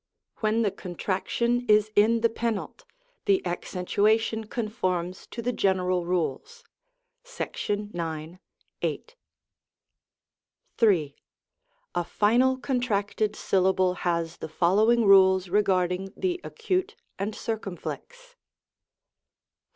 When the contraction is in the penult, the ac centuation conforms to the general rules (§9, 8). in. A final contracted syllable has the following rules regarding the acute and circumflex : IV.